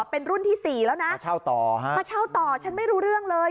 เป็นรุ่นที่สี่แล้วนะมาเช่าต่อฮะมาเช่าต่อฉันไม่รู้เรื่องเลย